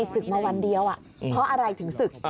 ศึกมาวันเดียวเพราะอะไรถึงศึก